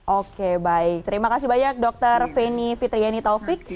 oke baik terima kasih banyak dokter feni fitriani taufik